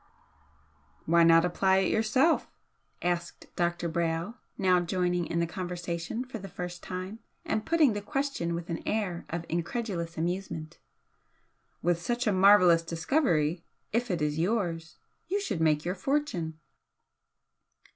"Why not apply it yourself?" asked Dr. Brayle, now joining in the conversation for the first time and putting the question with an air of incredulous amusement "With such a marvellous discovery if it is yours you should make your fortune!"